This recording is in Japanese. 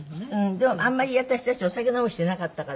でもあんまり私たちお酒飲む人いなかったから。